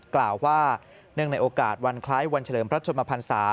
กล่าวว่าเนื่องในโอกาสวันคล้ายวันเฉลิมพระชนมพันศา